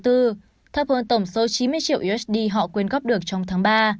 thấp hơn tổng số chín mươi triệu usd họ quyên góp được trong tháng ba